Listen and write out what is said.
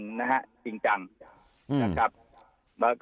จริงจัง